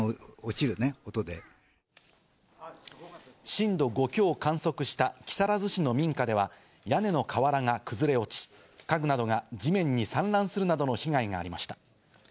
震度５強を観測した木更津市の民家では、屋根の瓦が崩れ落ち、家具などが地面に散乱するなどの被害がありました。